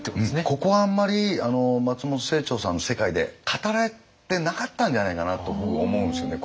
ここはあんまり松本清張さんの世界で語られてなかったんじゃないかなと僕思うんですよね